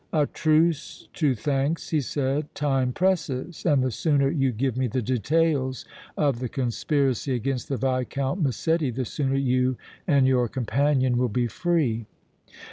"A truce to thanks," he said. "Time presses, and the sooner you give me the details of the conspiracy against the Viscount Massetti the sooner you and your companion will be free."